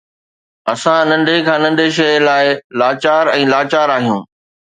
اسان ننڍي کان ننڍي شيءِ لاءِ لاچار ۽ لاچار آهيون.